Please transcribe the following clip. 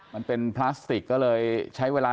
มันเป็นพลาสติกก็เลยใช้เวลา